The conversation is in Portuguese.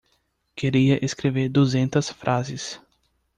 Queria escrever duzentas frases.